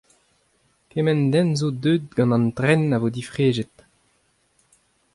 Kement den a zo deuet gant an tren a vo difrejet.